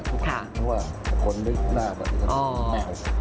ทุกคนเพราะว่าคนนึกหน้าก็จะมีหน้าอยู่